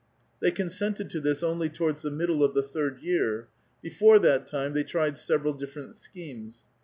The.y consented to this only towards the ■iniddle of the third year ; before that time they tried several " liifferent schemes.